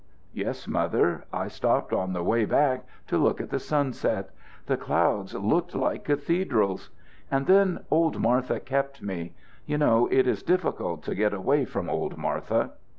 "Yes, Mother; I stopped on the way back to look at the sunset. The clouds looked like cathedrals. And then old Martha kept me. You know it is difficult to get away from old Martha."